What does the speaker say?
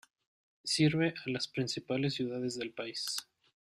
Sirve a las principales ciudades del país.